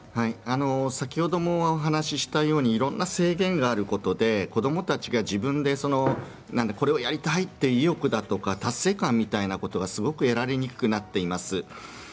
先ほどもお話したように、いろんな制限があることで子どもたちが自分でこれをやりたいという意欲や達成感が得られにくくなっています。